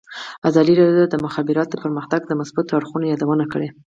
ازادي راډیو د د مخابراتو پرمختګ د مثبتو اړخونو یادونه کړې.